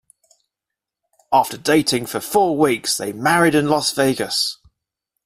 After dating for four weeks, they married in Las Vegas.